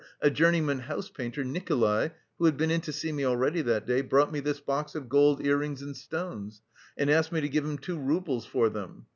'a journeyman house painter, Nikolay, who had been in to see me already that day, brought me this box of gold ear rings and stones, and asked me to give him two roubles for them.